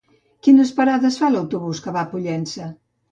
Quines parades fa l'autobús que va a Pollença?